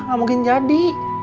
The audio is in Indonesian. gak mungkin jadi